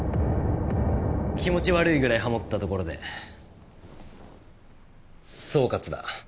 気持ち悪いぐらいハモったところで総括だ。